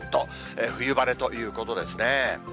冬晴れということですね。